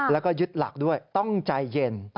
แล้วก็ยึดหลักด้วยต้องใจเย็น